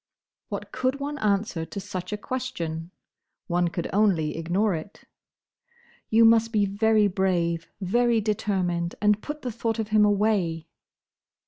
What could one answer to such a question? One could only ignore it. "You must be very brave; very determined; and put the thought of him away."